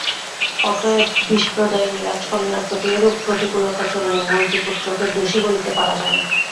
অতএব বিষপ্রদায়িনী রাজকন্যার প্রতি এরূপ প্রতিকূলতাচরণে মন্ত্রিপুত্রকে দোষী বলিতে পারা যায় না।